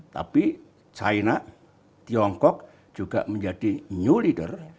tapi china tiongkok juga menjadi new leader